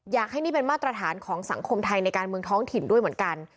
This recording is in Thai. อยากให้นี่เป็นมาตรฐานของสังคมไทยในการเมืองท้องถิ่นด้วยเหมือนกัน